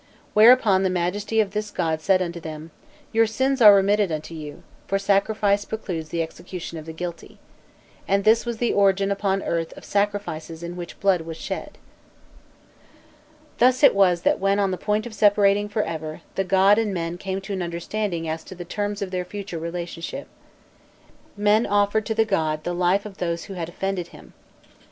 Whereupon the Majesty of this god said unto them: 'Your sins are remitted unto you, for sacrifice precludes the execution of the guilty.' And this was the origin upon earth of sacrifices in which blood was shed." Thus it was that when on the point of separating for ever, the god and men came to an understanding as to the terms of their future relationship. Men offered to the god the life of those who had offended him.